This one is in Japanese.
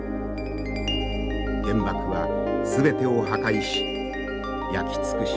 原爆は全てを破壊し焼き尽くします。